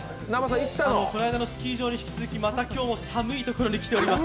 この間のスキー場に引き続き今日も寒いところに来ています。